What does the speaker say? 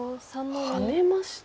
ハネました。